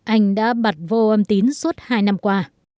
anh đã bật vô âm tín suốt hai năm qua